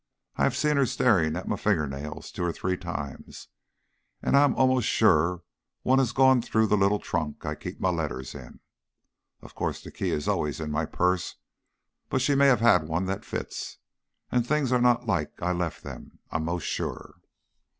I have seen her staring at my finger nails two or three times. And I am 'most sure some one has gone through the little trunk I keep my letters in. Of course the key is always in my purse, but she may have had one that fits, and the things are not like I left them, I am 'most sure."